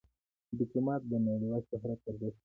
ډيپلومات د نړیوال شهرت ارزښت پېژني.